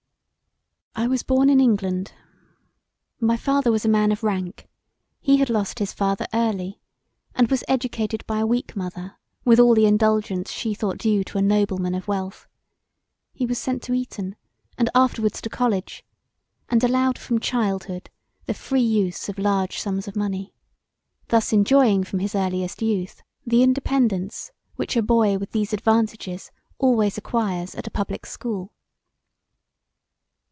I was born in England. My father was a man of rank: he had lost his father early, and was educated by a weak mother with all the indulgence she thought due to a nobleman of wealth. He was sent to Eton and afterwards to college; & allowed from childhood the free use of large sums of money; thus enjoying from his earliest youth the independance which a boy with these advantages, always acquires at a public school.